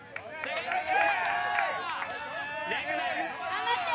頑張って！